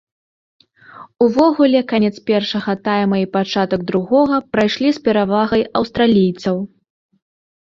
Увогуле, канец першага тайма і пачатак другога прайшлі з перавагай аўстралійцаў.